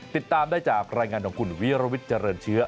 ติดตามได้จากรายงานของคุณวิรวิทย์เจริญเชื้อ